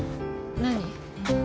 何？